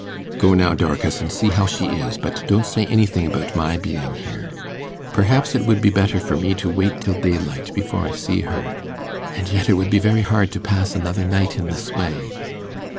'Go now, Dorcas, and see how she is, but don't say anything about my being here. Perhaps it would be better for me to wait till daylight before I see her, and yet it would be very hard to pass another night in this way.